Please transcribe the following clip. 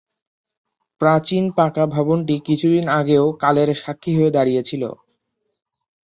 প্রাচীন পাকা ভবনটি কিছুদিন আগেও কালের সাক্ষী হয়ে দাঁড়িয়ে ছিল।